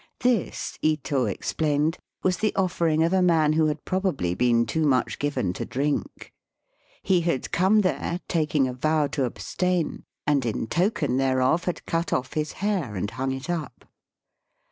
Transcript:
This, Ito explained, was the offering of a man who had probably been too much given to drink. He had come there, taking a vow to abstain, and in token thereof had cut off his hair and hung it up.